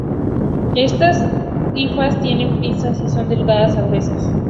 Estas hifas tienen pinzas, y son delgadas a gruesas.